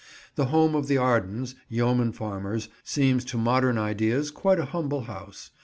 The home of the Ardens, yeomen farmers, seems to modern ideas quite a humble house.